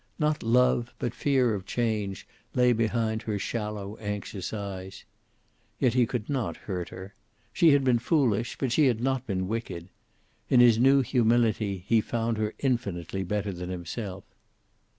Not love, but fear of change, lay behind her shallow, anxious eyes. Yet he could not hurt her. She had been foolish, but she had not been wicked. In his new humility he found her infinitely better than himself.